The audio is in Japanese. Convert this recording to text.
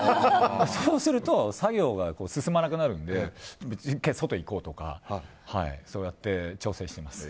そうすると作業が進まなくなるので１回外行こうとかそうやって調整してます。